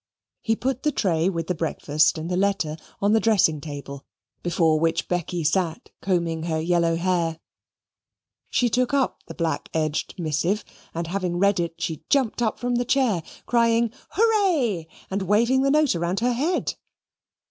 He put the tray with the breakfast and the letter on the dressing table, before which Becky sat combing her yellow hair. She took up the black edged missive, and having read it, she jumped up from the chair, crying "Hurray!" and waving the note round her head.